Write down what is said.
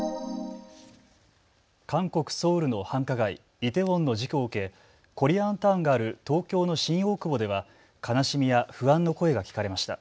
韓国・ソウルの繁華街、イテウォンの事故を受けコリアンタウンがある東京の新大久保では悲しみや不安の声が聞かれました。